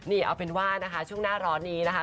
นี่เอาเป็นว่านะคะช่วงหน้าร้อนนี้นะคะ